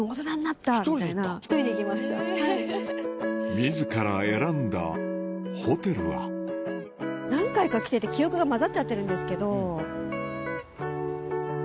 自ら選んだホテルは何回か来てて記憶が混ざっちゃってるんですけど。